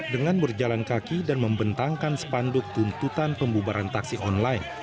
dengan berjalan kaki dan membentangkan sepanduk tuntutan pembubaran taksi online